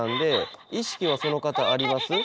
意識はその方あります？